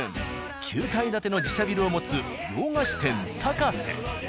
９階建ての自社ビルを持つ洋菓子店「タカセ」。